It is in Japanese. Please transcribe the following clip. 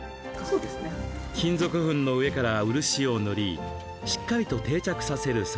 金属粉の上から漆を塗りしっかりと定着させる作業。